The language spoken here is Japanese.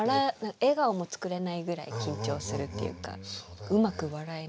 笑顔も作れないぐらい緊張するっていうかうまく笑えない。